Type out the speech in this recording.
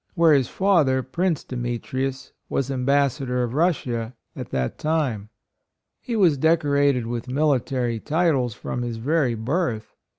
where his father, Prince Demetrius, was Ambassador of Russia at that time. He was decorated with mili tary titles from his very birth.